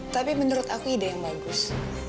tapi menurut aku ide yang bagus